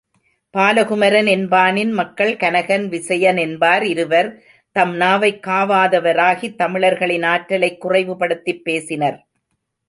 பாலகுமரன் என்பானின் மக்கள் கனகன், விசயன் என்பார் இருவர் தம் நாவைக் காவாதவராகித் தமிழர்களின் ஆற்றலைக் குறைவுபடுத்திப் பேசினர்.